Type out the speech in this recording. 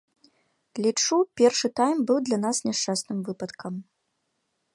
Лічу, першы тайм быў для нас няшчасным выпадкам.